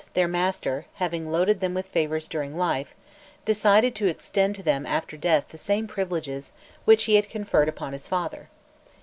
Horus, their master, having loaded them with favours during life, decided to extend to them after death the same privileges which he had conferred upon his father.